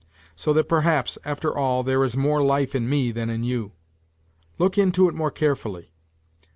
So that perhaps, after all, there is more life in me than in you. Look into it more carefully